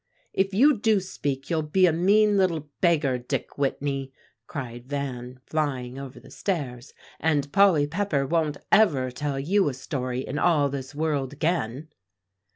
"If you do speak, you'll be a mean little beggar, Dick Whitney," cried Van, flying over the stairs, "and Polly Pepper won't ever tell you a story in all this world again."